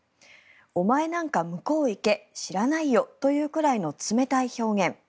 お前なんか向こう行け知らないよというくらいの冷たい表現。